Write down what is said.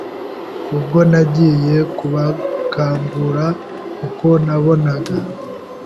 ubwo nagiye kubakangura kuko nabonaga